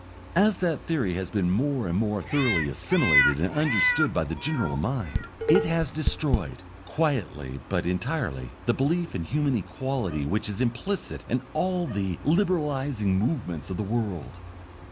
As that theory has been more and more thoroughly assimilated and understood by the general mind, it has destroyed, quietly but entirely, the belief in human equality which is implicit in all the "Liberalizing" movements of the world.